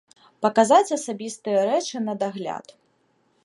Паказаць асабістыя рэчы на дагляд.